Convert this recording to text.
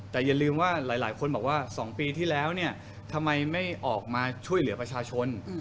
แต่อย่าลืมว่าหลายคนบอกว่า๒ปีที่แล้วเนี่ยทำไมไม่ออกมาช่วยเหลือประชาชน